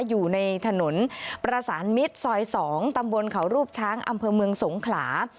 อยู่ในถนนประสานมิตรซอย๒ตำบลเขารูปช้างอำเภอเมืองสงขลา